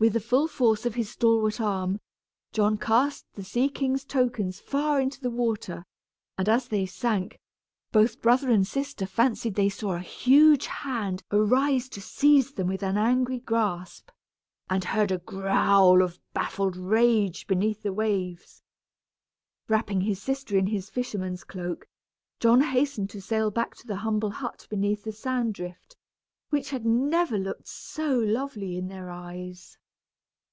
With the full force of his stalwart arm, John cast the sea king's tokens far into the water; and as they sank, both brother and sister fancied they saw a huge hand arise to seize them with an angry grasp, and heard a growl of baffled rage beneath the waves. Wrapping his sister in his fisherman's cloak, John hastened to sail back to the humble hut beneath the sand drift, which had never looked so lovely in their eyes.